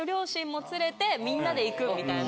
みんなで行くみたいな。